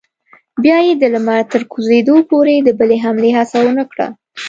بیا یې د لمر تر کوزېدو پورې د بلې حملې هڅه ونه کړه.